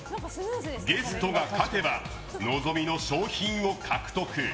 ゲストが勝てば望みの賞品を獲得。